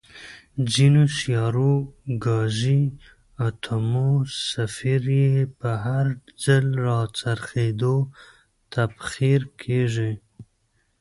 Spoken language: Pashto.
ځینو سیارو ګازي اتموسفیر یې په هر ځل راڅرخېدو، تبخیر کیږي.